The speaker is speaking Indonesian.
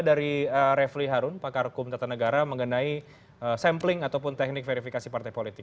dari refli harun pakar hukum tata negara mengenai sampling ataupun teknik verifikasi partai politik